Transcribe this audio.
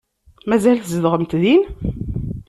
Mazal tzedɣemt din?